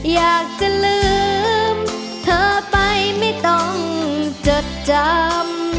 อยากจะลืมเธอไปไม่ต้องจดจำ